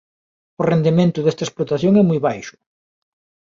O rendemento desta explotación é moi baixo.